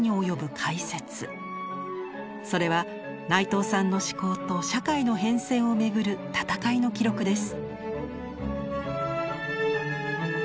それは内藤さんの思考と社会の変遷をめぐる闘いの記録です。